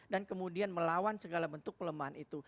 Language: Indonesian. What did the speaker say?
dan kemudian melawan segala bentuk pelemahan itu